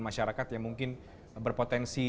masyarakat yang mungkin berpotensi